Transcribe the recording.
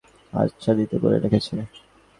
দেহ যেন একটি বহির্বাসরূপে তাকে আচ্ছাদিত করে রেখেছে।